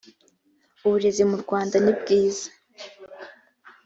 uburezi mu rwanda nibwiza